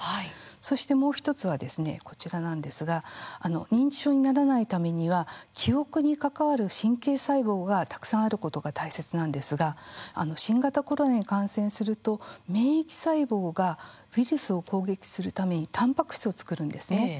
そしてもう一つはですねこちらなんですが認知症にならないためには記憶に関わる神経細胞がたくさんあることが大切なんですが新型コロナに感染すると免疫細胞がウイルスを攻撃するためにタンパク質を作るんですね。